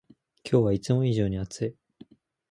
今日はいつも以上に暑い